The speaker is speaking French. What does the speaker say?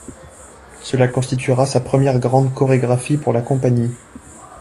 Cela constituera sa première grande chorégraphie pour la compagnie.